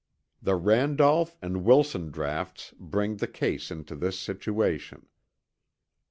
The Randolph and Wilson draughts bring the case into this situation: 1.